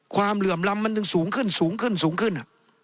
เหลื่อมล้ำมันยังสูงขึ้นสูงขึ้นสูงขึ้น